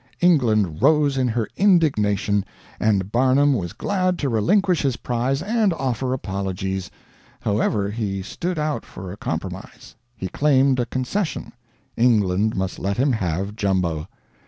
England rose in her indignation; and Barnum was glad to relinquish his prize and offer apologies. However, he stood out for a compromise; he claimed a concession England must let him have Jumbo.